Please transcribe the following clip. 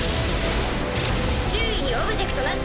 周囲にオブジェクトなし。